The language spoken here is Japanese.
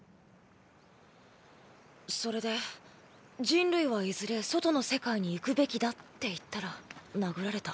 それで人類はいずれ外の世界に行くべきだって言ったら殴られた。